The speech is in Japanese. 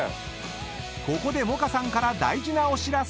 ［ここで萌歌さんから大事なお知らせ］